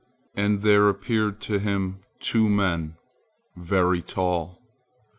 And there appeared to him two men, very tall.